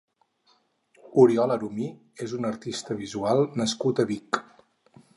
Oriol Arumí és un artista visual nascut a Vic.